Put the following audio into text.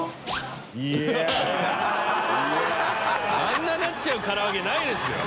あんななっちゃうから揚げないですよ。